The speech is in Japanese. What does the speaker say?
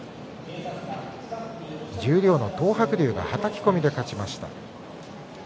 十両の東白龍がはたき込みで勝ちました。